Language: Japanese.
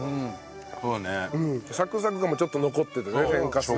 サクサク感もちょっと残っててね天かすね。